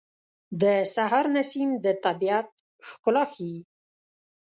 د سهار نسیم د طبیعت ښکلا ښیي.